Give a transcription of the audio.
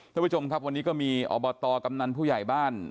ท่านผู้ชมครับวันนี้ก็มีอบตกำนันผู้ใหญ่บ้าน